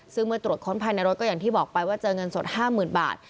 ซึ่งเมื่อตรวจค้นภายในรถก็อย่างที่บอกไปว่าเจอเงินสด๕๐๐๐บาท